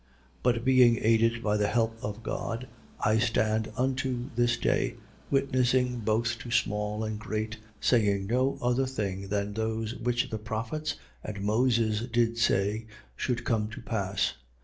26:22. But being aided by the help of God, I stand unto this day, witnessing both to small and great, saying no other thing than those which the prophets and Moses did say should come to pass: 26:23.